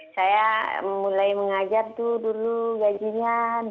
saya mulai mengajar itu dulu gajinya dua ratus lima puluh